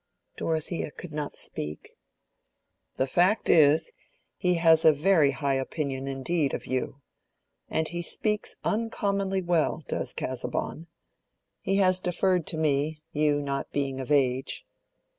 Dorothea could not speak. "The fact is, he has a very high opinion indeed of you. And he speaks uncommonly well—does Casaubon. He has deferred to me, you not being of age.